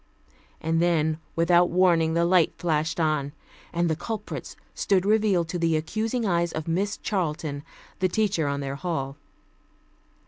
And then, without warning the light flashed on, and the culprits stood revealed to the accusing eyes of Miss Charlton, the teacher on their hall.